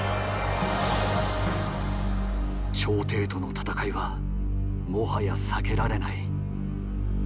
朝廷との戦いはもはや避けられない。